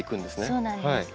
そうなんです。